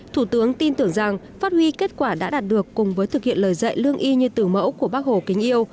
thủ tướng tin tưởng rằng phát huy kết quả đã đạt được cùng với thực hiện lời dạy lương y như từ mẫu của bác hồ kính yêu